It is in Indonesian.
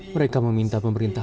mereka meminta pemerintah